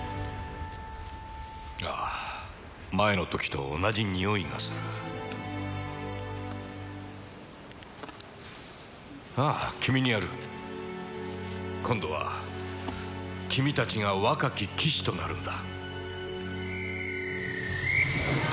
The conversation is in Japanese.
ああ前の時と同じにおいがするああ君にやる今度は君たちが若き騎士となるんだ